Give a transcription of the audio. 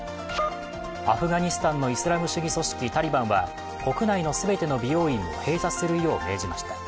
アフガニスタンのイスラム主義組織タリバンは国内の全ての美容院を閉鎖するよう命じました。